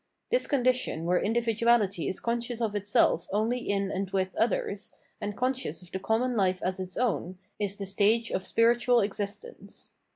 This condition where individuality is conscious of itself only in and with others, and conscious of the common life as its own, is the stage of spiritual existence.